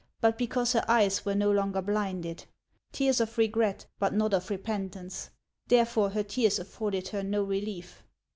115 cause her eyes were no longer blinded, — tears of regret, but not of repentance ; therefore her tears afforded her no relief.